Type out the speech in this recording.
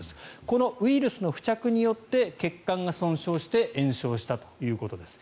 このウイルスの付着によって血管が損傷して炎症したということです。